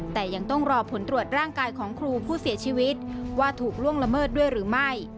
แต่ยังต้องรอผลตรวจร่างกายของครูผู้เสียชีวิตว่าถูกล่วงละเมิดด้วยหรือไม่